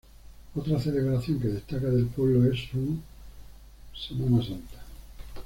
Otra celebración que destaca del pueblo es su Semana Santa.